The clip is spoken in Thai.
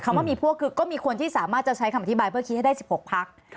ว่ามีพวกคือก็มีคนที่สามารถจะใช้คำอธิบายเพื่อคิดให้ได้๑๖พัก